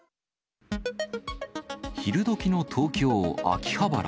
昼どきの東京・秋葉原。